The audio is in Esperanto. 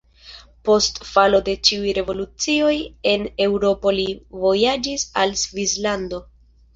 Post falo de ĉiuj revolucioj en Eŭropo li vojaĝis al Svislando.